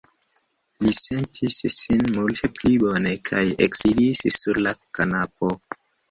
Li sentis sin multe pli bone kaj eksidis sur la kanapo.